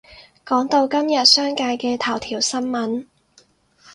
講到今日商界嘅頭條新聞